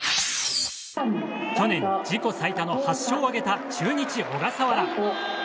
去年、自己最多の８勝を挙げた中日、小笠原。